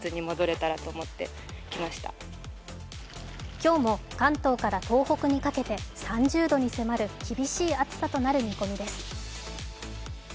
今日も関東から東北にかけて３０度に迫る厳しい暑さとなる見込みです。